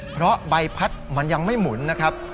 เพราะใบพัดมันยังไม่หมุนนะครับ